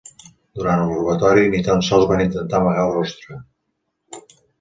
Durant el robatori, ni tan sols va intentar amagar el rostre.